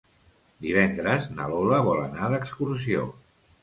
Divendres na Lola vol anar d'excursió.